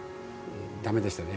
だめでしたね。